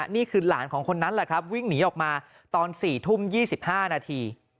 นี่คือหลานของคนนั้นแหละครับวิ่งหนีออกมาตอน๔ทุ่ม๒๕นาที